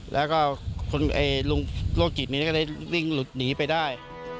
แล้วก็ลูกจิตนี้ก็ได้วิ่งหลุดหนีไปได้